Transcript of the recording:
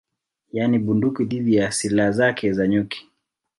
Yaani bunduki dhidi ya silaha zake za nyuki